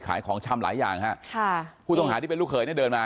ของชำหลายอย่างฮะค่ะผู้ต้องหาที่เป็นลูกเขยเนี่ยเดินมา